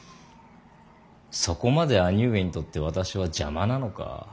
そこまで兄上にとって私は邪魔なのか。